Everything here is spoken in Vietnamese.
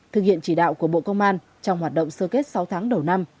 thực hiện chỉ đạo của bộ công an trong hoạt động sơ kết sáu tháng đầu năm